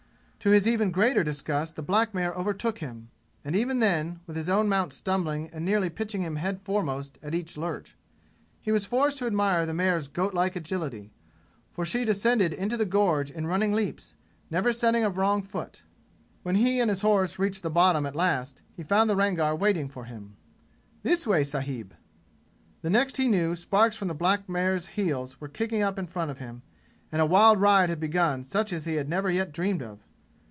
To his even greater disgust the black mare overtook him. And even then, with his own mount stumbling and nearly pitching him headforemost at each lurch, he was forced to admire the mare's goatlike agility, for she descended into the gorge in running leaps, never setting a wrong foot. When he and his horse reached the bottom at last he found the Rangar waiting for him. "This way, sahib!" The next he knew sparks from the black mare's heels were kicking up in front of him, and a wild ride had begun such as he had never yet dreamed of.